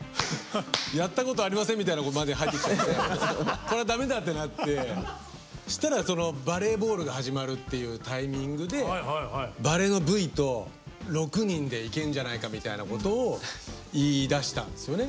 やったことありませんみたいな子まで入ってきちゃってこれは駄目だってなってそしたらそのバレーボールが始まるっていうタイミングでバレーのＶと６人でいけんじゃないかみたいなことを言いだしたんですよね。